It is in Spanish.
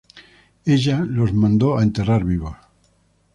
Ella los mandó a enterrar vivos.